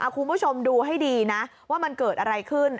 คุณผู้ชมดูให้ดีนะว่ามันเกิดอะไรขึ้น